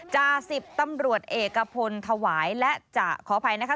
จาสิบตำรวจเอกพลถวายและจะขออภัยนะคะ